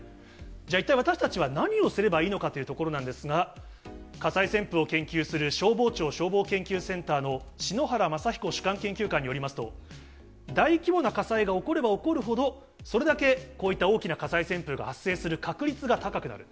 じゃあ一体、私たちは何をすればいいのかというところなんですが、火災旋風を研究する消防庁消防研究センターの篠原雅彦主幹研究官によりますと、大規模な火災が起これば起こるほど、それだけこういった大きな火災旋風が発生する確率が高くなる。